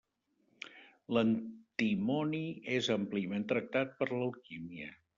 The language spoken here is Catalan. L'antimoni és àmpliament tractat per l'alquímia.